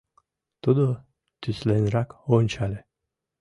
Тудо тӱсленрак ончале.